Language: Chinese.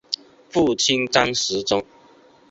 父亲张时中。